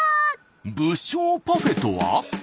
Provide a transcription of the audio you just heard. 「武将パフェ」とは？